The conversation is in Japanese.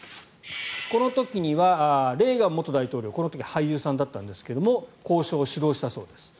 この時にはレーガン元大統領この時は俳優さんだったんですが交渉を主導したそうです。